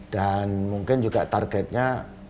dan mungkin juga targetnya